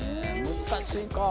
難しいか。